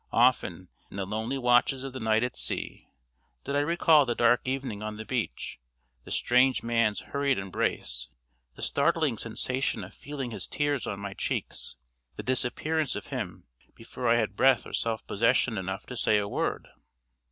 Often, in the lonely watches of the night at sea, did I recall the dark evening on the beach, the strange man's hurried embrace, the startling sensation of feeling his tears on my cheeks, the disappearance of him before I had breath or self possession enough to say a word.